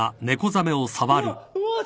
うわっ！